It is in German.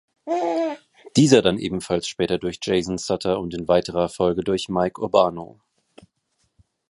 Dieser dann ebenfalls später durch Jason Sutter und in weiterer Folge durch Mike Urbano.